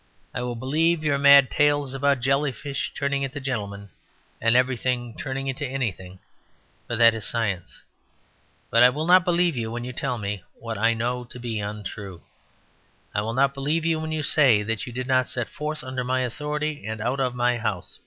I will believe your mad tales about jellyfish turning into gentlemen, and everything turning into anything; for that is science. But I will not believe you when you tell me what I know to be untrue. I will not believe you when you say that you did not all set forth under my authority and out of my house.